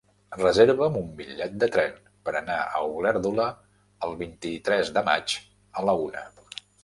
Reserva'm un bitllet de tren per anar a Olèrdola el vint-i-tres de maig a la una.